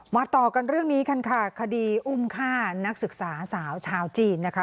ต่อกันเรื่องนี้กันค่ะคดีอุ้มฆ่านักศึกษาสาวชาวจีนนะคะ